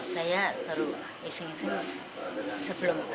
saya baru ising ising sebelum